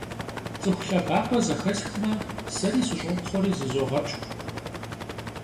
ЦӀыху лъэбакъуэ зэхэсхмэ, сэ сыщӀопхъуэри зызогъэпщкӀу.